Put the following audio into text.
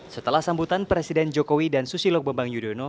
setelah sambutan presiden jokowi dan susilog bembang yudhoyono